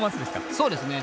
そうですね。